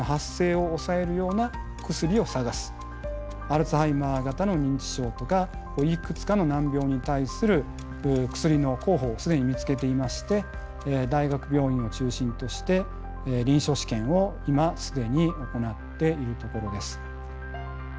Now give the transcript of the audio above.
アルツハイマー型の認知症とかいくつかの難病に対する薬の候補を既に見つけていまして大学病院を中心として臨床試験を今既に行っているところです。